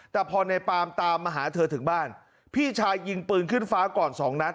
แต่พอในปามตามมาหาเธอถึงบ้านพี่ชายยิงปืนขึ้นฟ้าก่อนสองนัด